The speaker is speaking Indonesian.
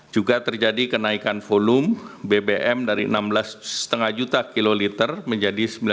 juga terjadi kenaikan volume bbm dari rp enam belas lima juta menjadi rp sembilan belas lima juta